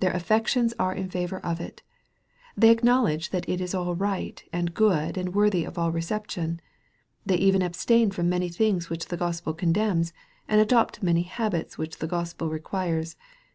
Their affections aro in favor of it. They acknowledge that it is all right, and good, and worthy of all reception. They even abstain from many things which the Gospel condemns, and adopt many habits which the Gospel requires.